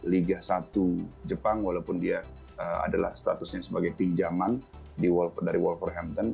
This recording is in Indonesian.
liga satu jepang walaupun dia adalah statusnya sebagai pinjaman dari walker hamton